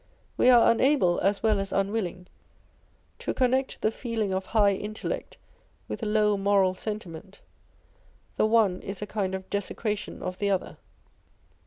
We are unable as well as unwilling to connect the feeling of high in tellect with low moral sentiment : the one is a kind of desecration of the other.